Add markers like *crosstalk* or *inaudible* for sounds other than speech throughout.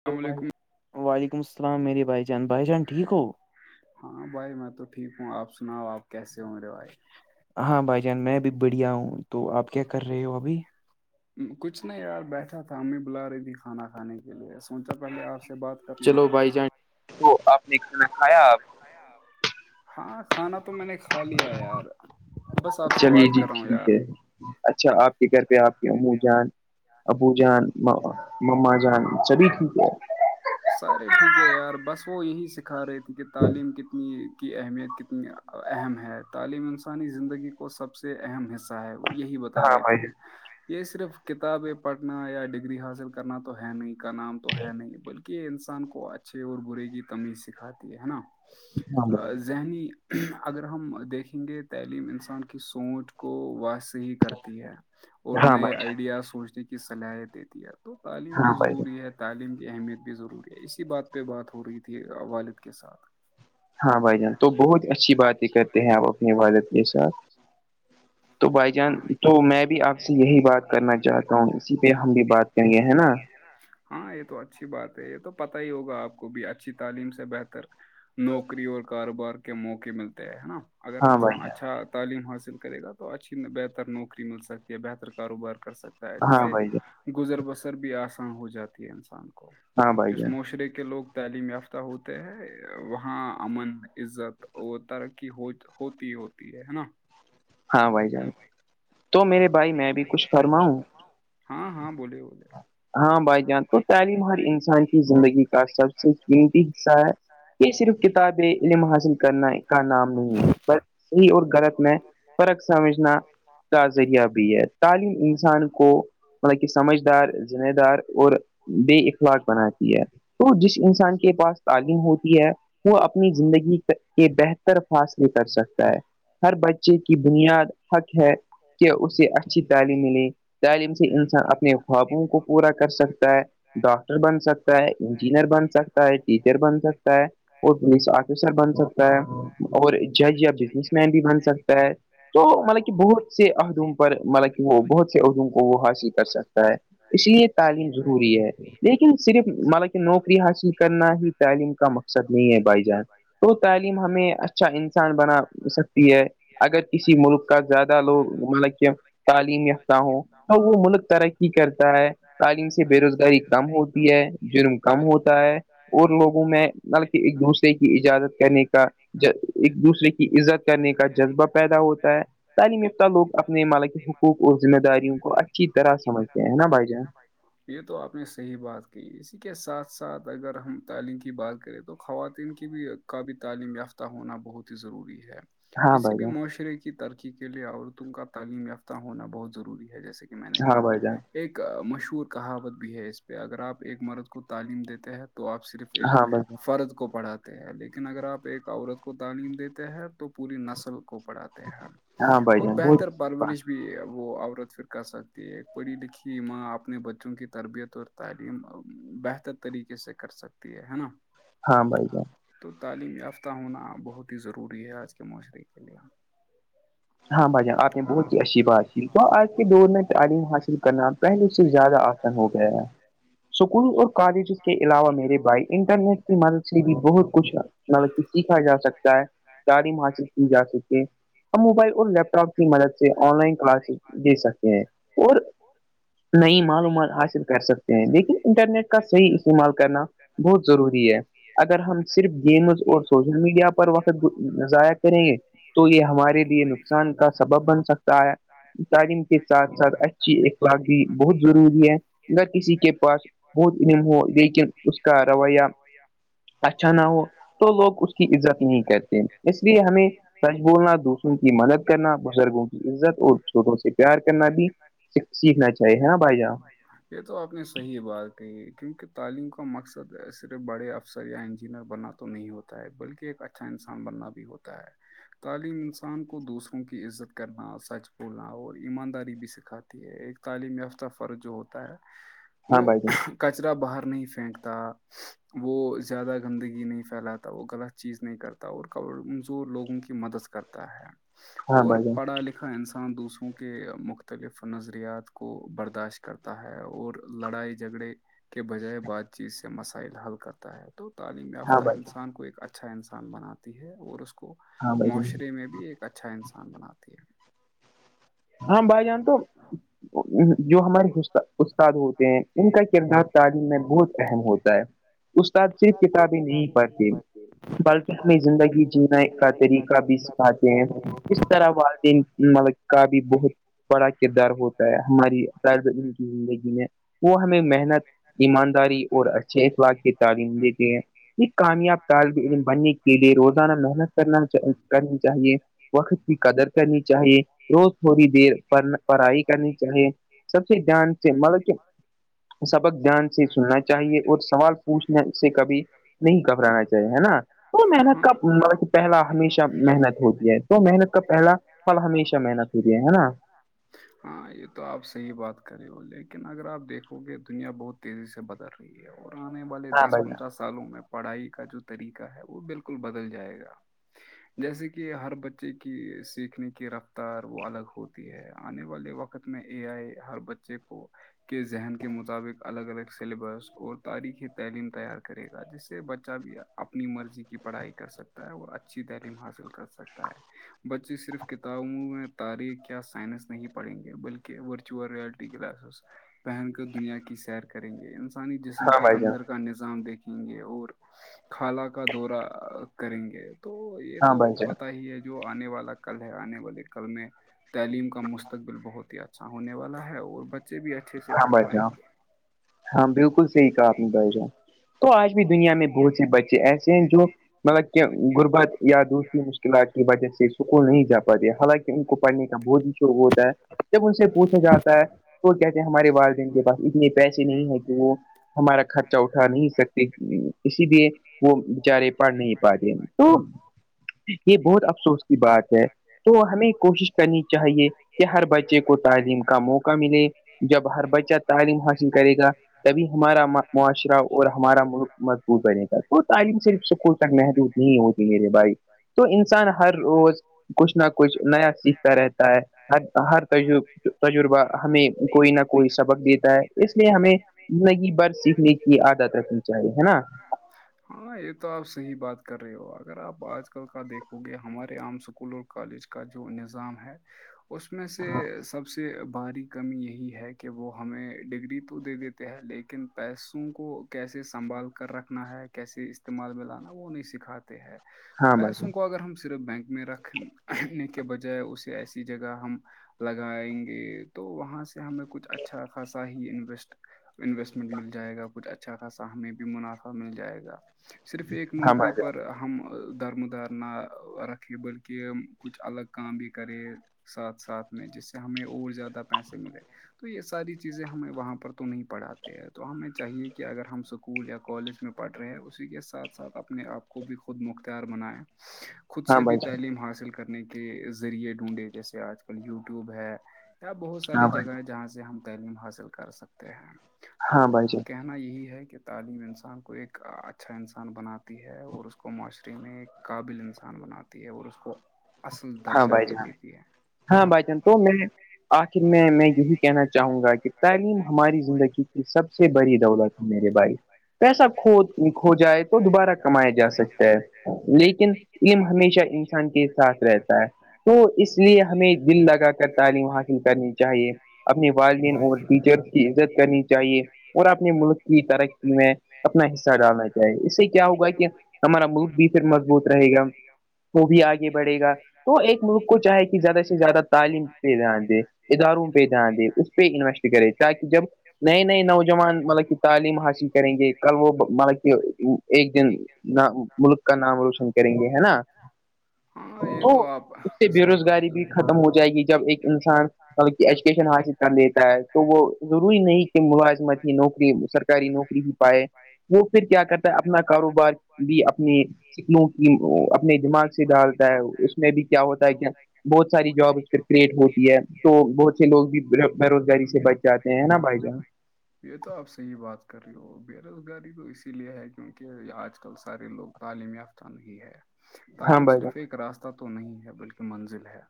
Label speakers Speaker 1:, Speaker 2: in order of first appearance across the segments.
Speaker 1: hello بھ وعلیکم السلام میری بھائی جان بھائی جان ٹھیک ہو
Speaker 2: ہاں بھائی میں تو ٹھیک ہوں آپ سناؤ آپ کیسے ہووں مرے بھائی
Speaker 1: ہاں بھائی جان میں بھی بڑھیا ہوں تو آپ کیا کر رہے ہو ابھی
Speaker 2: کچھ نہ یار بیٹھا تھا میں بلا رہی تھی کھانا کھانے کی چ سوچا پہلے آپ سے بات کر لوں یار
Speaker 1: تو آپ نے کھانا کھایا آپ
Speaker 2: ہاں کھانا تو میں نے خالی ہے یار بس آپ سے بات کر رہا ہوں یار
Speaker 1: اچھا آپ کے گھر پہ آپ کے امو جان ابو جان مما جان چلی یک ہے
Speaker 2: سارے ٹھیک ہے یار بس وہ یہی سکھا رہی تھی کہ تعلیم کتنی کی اہمیت کتنی اہم ہے تعلیم انسانی زندگی کو سب سے اہم حصہ ہے وہ یہی بتا رہے تھے یہ صرف کتابیں پڑھنا یا ڈگری ری حاصل کرنا تو ہے نہیں کا نام تو ہے نہیں بلکہ انسان کو اچھے اور برے کی تمیز سکھاتی ہے ہے نا ذہنی اگر ہم دیکھیں گے تعلیم انسان کی سوچ کو وا صحیح کرتی ہے اور نئے آئیڈیاز سوچنے کی صلاحیت دیتی ہے تو تعلیم تو ضروری ہے تعلیم کی اہمیت بھی ضروری ہے اسی بات پہ بات ہو رہی تھی والد کے ساتھ
Speaker 1: ہاں بھائی جان تو بہت اچھی باتیں کرتے ہیں آپ اپنی عادت کے ساتھ
Speaker 2: *inaudible*
Speaker 1: تو بائی جان تو میں بھی آپ سے یہی بات کرنا چاہتا ہوں اسی پہ ہم بھی بات
Speaker 2: کی بات کر گے ہے نا ہاں یہ تو اچھی بات ہے یہ تو پتا ہی ہوگا آپ کو بھی اچھی تعلیم سے بہتر نوکری اور کاروبار کے موقع ملتے ہیں ہے نا اگر انسان اچھا تعلیم حاصل کرے گا تو تو اچھی بہتر نوکری مل سکتی ہے بہتر کاروبار کر سکتا ہے جیسے گزر بسر بھی آسان ہو جاتی ہے انسان کو جس معاشرے کے لوگ تعلیم یافتہ ہوتے ہیں وہاں امن عزت اور ترقی ہو ہوتی ہی ہوتی ہے نا
Speaker 1: ہاں بھائی جان تو میرے بھائی میں بھی کچھ فرماؤں
Speaker 2: ہاں ہاں بولیے بولے
Speaker 1: ہاں بھائی جان تو تعلیم ہر انسان کی زندگی کا سب سے قیمتی حصہ ہے یہ صرف کتاب علم حاصل کرنا کا نام نہیں ہے پر صحیح اور غلط میں فرق سمجھنا کا ذریعہ بھی ہے تعلیم انسان کو مطلب کہ سمجھدار ذمہ دار اور بے اخلاق بناتی ہے تو جس انسان کے پاس تعلیم ہوتی ہے وہ اپنی زندگی کے بہتر فاصلے کر سکتا ہے ہر بچے کی بنیاد حق ہے کہ اس سے اچھی تعلیم ملے تعلیم سے انسان اپنے خوابوں کو پورا کر سکتا ہے ڈاکاکٹر بن سکتا ہے انجینئر بن سکتا ہے ٹیچر بن سکتا ہے اور پولیس آفیسر بن سکتا ہے اور جج یا بزنس مین بھی بن سکتا ہے تو مطلب کہ بہت سے عہدوم پر مطلب کہ وہ بہت سے عہدوم کو وہ حاصل کر سکتا ہے اس لیے تعلیم ضروری ہے لیکن صرف مالاک نوکری حاصل کرنا ہی تعلیم کا مقص نہیں ہے بھائی جان تو تعلیم ہمیں اچھا انسان بنا سکتی ہے اگر کسی ملک کا زیادہ لوگ مطلب
Speaker 2: مے ڈگ نہا تر کیی
Speaker 1: ہے تعلیم سے بے روزگاری کم ہوتی ہے جرم کم ہوتا ہے اور لوگوں میں نلکہ ایک دوسرے کی اجازت کرنے کا ایک دوسرے کی عزت کرنے کا جذبہ پیدا ہوتا ہے تعلیم یافتہ لوگ اپنے مالک کے حقوق اور ذمہ داریوں کو اچھی طرح سمجھتے
Speaker 2: نہ یہ تو آپ نے صحیح بات کی اسی کے ساتھ ساتھ اگر ہم تعلیم کی بات کریں تو خواتین کی بھی کا بھی تعلیم یافتہ ہونا بہت ہی ضروری ہے کسی بھی معاشرے کی ترقی کے لیے عورتوں کا تعلیم یافتہ ہونا بہت ضروری ہے جیسے کہ میں نے کہا ایک مشہور کہاوت بھی ہے اس پہ اگر آپ ایک مرد کو تعلیم دیتے ہیں تو آپ صرف ایک فرض کو پڑھاتا لیکن اگر آپ ایک عورت کو تعلیم دیتے ہیں تو پوری نسل کو پڑھاتے ہیں اور بہتر پرورش بھی وہ عورت فھرکا سکتی ہے پڑھی لکھی ماں اپنے بچوں کی تربیت اور تعلیم بہتر طریقے سے کر سکتی ہے ہے نا تو تعلیم یافتہ ہونا بہت ہی ضروری ہے آج کے معاشرے کے لیے
Speaker 1: ہاں بھائی جان آپ نے بہت ہی اچھی بات کی تو آج کے دور میں تعلیم حاصل کرنا پہلے اس سے زیادہ آسن ہو گیا ہے سکول اور کالجز کے علاوہ میرے بھائی انٹرنیٹ کی مدد سے بھی بہت کچھ ہے سیکھا جا سکتا ہے تعلیم حاصل کی جا سکتی ہم موبائل اور لیپ ٹاپ کی مدد سے آن لائن کلاسز دے سکتے ہیں اور نئی معلومات حاصل کر سکتے ہیں لیکن انٹرنیٹ کا صحیح استعمال کرنا بہت ضروری ہے اگر ہم صرف گیمز اور سوشل میڈیا پر وقت ضائع کریں گے تو یہ ہمارے لیے نقصان کا سبب بن سکتا ہے تعلیم کے ساتھ ساتھ اچھی اخلاق بھی بہت ضروری ہے اگر کسی کے پاس بہت علم ہو لیکن اس کا رویہ اچھا نہ ہو تو لوگ اس کی عزت نہیں کرتے اس لیے ہمیں سچ بولنا دوسروں کو مدد کرنا بزرگوں کی عزت اور چھوٹوں سے پیار کرنا بھی سیکھنا چاہیے
Speaker 2: جٹھیک ہے س ہاں بائی جے *inaudible* یہ تو آپ نے صحیح بات کہی ہے کیونکہ تعلیم کا مقصد صرف بڑے افسر یا انجینئر بنا نہیں ہوتا ہے بلکہ ایک اچھا انسان بننا بھی ہوتا ہے تعلیم انسان کو دوسرا وں کی عزت کرنا سچ بولنا اور ایمانداری بھی سکھاتی ہے ایک تعلیم یافتہ فرض جو ہوتا ہے وہ *inaudible* کچرا باہر نہیں پھینکتا وہ زیادہ گندگی نہیں پھیلاتا وہ غلط چیز نہیں کرتا اور کمزور لوگوں کی مدد کرتا ہے اور پڑھا لکھا دیکھا انسان دوسروں کے مختلف نظریات کو برداشت کرتا ہے اور لڑائی جھگڑے کے بجائے بات چیت سے مسائل حل کرتا ہے تو تعلیم یافتہ انسان کو ایک اچھا انسان بناتی ہے اور اس کو کو معاشرے میں بھی ایک اچھا انسان بناتی ہے
Speaker 1: ہاں بھائی جان تو جو ہمارے استاد ہوتے ہیں ان کا کردار تعلیم میں بہت اہم ہوتا ہے استاد صرف کتابیں نہیں پڑھتے بلکہ ہمنی زندگی جینے کا طریقہ بھی سکھاتے کس طرح والدین مطلب کا بھی بہت بڑا کردار ہوتا ہے ہماری کی زندگی میں وہ ہمیں محنت ایمانداری اور اچھے اخلاق کی تعلیم دیتے ہیں کامیاب طالب علم بننے کے لیے روزانہ محنت کرنا کرنی چاہیے وقت کی قدر کرنی چاہیے روز تھوڑی دیر پڑھائی کرنی چاہے سب سے دھیان سے ملب کہ سبق دھیان سے سننا چاہیے اور سوال پوچھنے سے کبھی نہیں گھبرانا چاہیے ہے نا تو محنت کا مطلب پہلا ہمیشہ محنت ہوتی ہے تو محنت کا پہلا پھل ہمیشہ ن سرییا ہے نا *inaudible*
Speaker 2: ہاں یہ تو آپ صحی بات کر رہے ہو لیکن اگر آپ دیکھ کہ دنیا بہت تیزی سے بدل رہی ہے اور آنے والے دس پندرہ سالوں میں پڑھائی کا جو طریقہ ہے وہ بالکل بدل جائے گا جیسے کہ ہر بچے کی سیکھنے کی رفتار وہ الگ ہوتی ہے آنے والے وقت میں اے آئے ہر بچے کو کے ذہن کے مطابق الگ الگ سلیبس اور تاریخی تعلیم تیار کرے گا جس سے بچہ بھی اپنی مرضی کی پڑھائی کر سکتا ہے اور اچھی تعلیم حاصل کر سکتا ہے بچے صرف کتابوں میں تاریخ یا سائنس نہیں پڑھیں گے بلکہ ورچوئل رئلٹی کلاسز پہن کر دنیا کی سیر کریں گے انسانی جسم کے اندر کا نظام دیکھیں گے اور خالہ کا دورہ کریں گے تو یہ تو پت ہی ہے جو آنے والا کل ہے آنے والے کل میں تعلیم کا مستقبل بہت ہی اچھا ہونے والا ہے اور بچے بھی اچھے سے پڑھ *inaudible*
Speaker 1: ہاں بالکل صحی کار نہیں بھائی جا تو آج بھی دنیا میں بہت سے بچے ایسے ہیں جو مطلب کہ غربت یا دوسری کلا کی وجہ سے سکول نہیں جا پا حالانکہ ان کو پڑھنے کا بہت ہی شوق ہوتا ہے جب ان سے پوچھا جاتا ہے تو کیاتے ہیں ہمارے والدین کے پاس اتنے پیسے نہیں ہے کہ وہ ہمارا خرچہ اٹھا نہیں سکتا اسی لیے وہ بچارے پڑھ نہیں پاتے تو یہ بہت افسوس کی بات ہے تو ہمیں کوشش کرنی چاہیے کہ ہر بچے کو تعلیم کا موقع ملے جب ہر بچہ تعلیم حاصل کرے گا تبھی ہمارا معاشرہ اور ہمارا ملک مضبوط بنے گا تو تعلیم صرف اسکول تک محدود نہیں ہوتی میرے بھائی تو انسان ہر روز کچھ نہ کچھ نیا سیکھ رہتا ہے ہ ہر تجربہ ہمیں کوئی نہ کوئی سبق دیتا ہے اس لیے ہمیں زندگی بر سیکھنے کی عادت رکھنی چاہیے ہے نا
Speaker 2: ہاں یہ تو آپ صحیح بات کر رہے ہو اگر آپ آج کل کا دیکھو گے ہمارے عام سکولوں کالج کا جو نظام ہے اس میں سے سب سے باریک کمی یہی ہے کہ وہ ہمیں ڈگری تو دے دیتے ہیں لیکن پیسوں کو کیسے سنبھال کر رکھنا ہے کیسے استعمال میں لانا وہ نہیں سکھاتے ہیں پیسوں کو اگر ہم صرف بینک میں رکھ نے کے بجائے اسے ایسی جگہ ہم لگائیں گے تو وہاں سے ہمیں کچھ اچھا خاصا ہی ان انویسٹمنٹ مل جائے گا کچھ اچھا اچھا خاصا ہمیں بھی منافع مل جائے گا صرف ایک نوکری پر ہم درمدار نہ رکھے بلکہ کچھ الگ کام بھی کرے ساتھ ساتھ میں جس سے ہمیں اور زیادہ پیسے ملے تو یہ ساری چیزیں ہمیں وہاں پر تو نہیں پڑھاتے ہیں تو ہمیں چاہیے کہ اگر ہم اسکول یا کالج میں پڑھ رہے اسی کے ساتھ ساتھ اپنے آپ کو بھی خود مختار بنیں خود سے بھی تعلیم حاصل کرنے کے ذریعے ڈھونڈے جیسے آج کل یوٹیوب ہے بہت ساری جگہ ہے جہاں سے ہم تعلیم حاصل کر سکتے ہیں تو کیا یہی ہے کہ تعلیم انسان کو ایک اچھا انسان بناتی ہے اور اس کو معاشرے میں ایک قابل انسان بناتی ہے اور اس کو اصل درجہ دے دیتی ہے
Speaker 1: ہاں بھائی جان تو میں آخر میں میں یہی کہنا چاہوں گا کہ تعلیم ہماری زندگی کی سب سے بڑی دولت میرے بھائی پیسہ کھ کھو جائے تو دوبارہ کمایا جا سکتا ہے لیکن یہ ہمیشہ انسان کے ساتھ رہتا ہے تو اس اس لیے ہمیں دل لگا کر تعلیم حاصل کرنی چاہیے اپنے والدین اور ٹیچرس کی عزت کرنی چ چاہیے اور اپنے ملک کی ترقی میں اپنا حصہ ڈالنا چاہیے اس سے کیا ہوگا کہ ہمارا ملک بھی پھر مضبوط رہے گا وہ بھی آگے بڑھے گا تو ایک ملک کو چاہے کہ زیادہ سے زیادہ تعلیم پہ دھیان دے اداروں پہ دھیان دے اس پہ انویسٹ کرے تاکہ جب نئے نئے نوجوان مطلب کہ تعلیم حاصل کریں گے کل وہ مطلب کہ ایک دن ملک کا نام روشن کریں گے ہے نا
Speaker 2: ہاں یہ تو آپ
Speaker 1: بے روزگاری بھی ختم ہو جائے گی جب ایک انسان ایجوکیشن حاصل کر لیتا ہے تو وہ ضروری نہیں کہ ملازمت یہ نوکری سرکاری نوکری ہی پائے وہ پھر کیا کرتا ہے اپنا کاروبار بھی اپنی سکموں کی اپنے دماغ ڈالتا ہے اس میں بھی کیا ہوتا ہے کیا بہت ساری جاب اس پہ کریٹ ہوتی ہے تو بہت سے لوگ بھی بے روزگاری سے بچ جاتے ہیں نا بھائی جان
Speaker 2: یہ تو آپ سےحیح بات کر رہی ہوی بے روزگاری تو اسی لیے ہے کیونکہ آج کل سارے لوگ تعلیم یافتہ ہی ہے تعلیم صرف ایک راستہ تو نہیں ہے بلکہ منزل ہے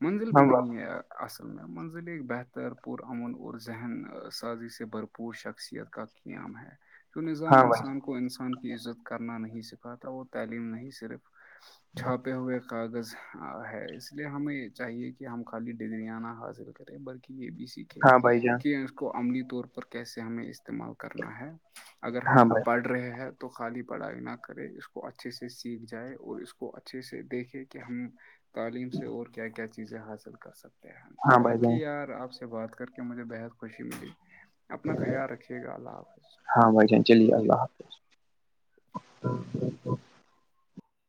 Speaker 2: منزل بھی نہیں ہے یار اصل میں منزل ایک بہتر پر امن اور ذہن سازی سے بھرپور بھرپور شخصیت کا قیام ہے کیوں نظام انسان کو انسان کی عزت کرنا نہیں سکھاتا وہ تعلیم نہیں صرف چھاپے ہوئے کاغذ ہے اس لیے ہمیں یہ چاہیے کہ ہم خالی ڈگریاں نہ حاصل کریں بلکہ یہے بی سی کہ اس کو عملی طور پر کیسے ہمیں استعمال کرنا ہے اگر ہم پڑھ رہے ہیں تو خالی پڑھائی نہ کرے اس کو اچھے سے سیکھ جائے اور اس کو اچھے سے دیکھے کہ ہم تعلیم سے اور کیا کیا چیزیں حاصل کر سکتے ہیں باقی یار آپ سے بات کر مجھے بےحد خوشی ملی اپنا خیال رکھیے گا
Speaker 1: ہاں بھائی جان چلیے اللہ حافظ